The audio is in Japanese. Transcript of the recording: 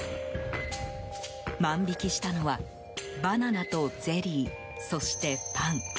万引きしたのはバナナとゼリー、そしてパン。